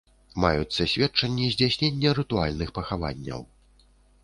Маюцца сведчанні здзяйснення рытуальных пахаванняў.